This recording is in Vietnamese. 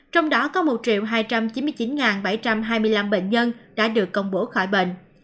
trong đó có một hai trăm chín mươi chín bảy trăm hai mươi năm bệnh nhân đã được công bố khỏi bệnh